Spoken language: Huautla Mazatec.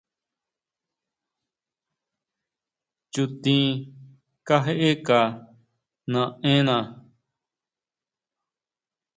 Nchutin kajeka naena.